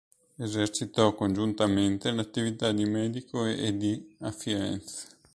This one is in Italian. Esercitò congiuntamente le attività di medico e di a Firenze.